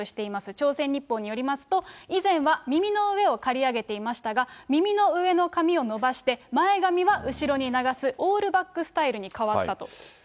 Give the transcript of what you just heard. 朝鮮日報によりますと、以前は耳の上を刈り上げていましたが、耳の上の髪を伸ばして、前髪は後ろに流すオールバックスタイルに変わったと。